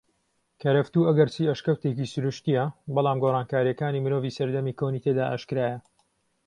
کەرەفتوو ئەگەرچی ئەشکەوتێکی سرووشتیە بەلام گۆڕانکاریەکانی مرۆڤی سەردەمی کۆنی تێدا ئاشکرایە